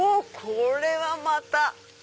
これはまた。